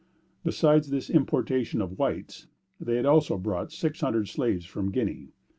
Besides this importation of whites, they had also brought six hundred slaves from Guinea.